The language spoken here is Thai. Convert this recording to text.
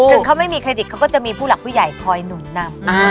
ถึงเขาไม่มีเครดิตเขาก็จะมีผู้หลักผู้ใหญ่คอยหนุนนำ